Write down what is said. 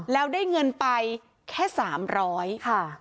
แล้วได้เงินไปแค่๓๐๐ค่ะ